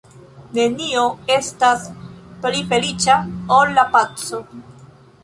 Nenio estas pli feliĉa ol la paco.